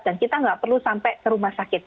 dan kita tidak perlu sampai ke rumah sakit